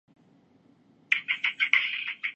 اپنے جوتوں کے تسمے باندھ لیجئے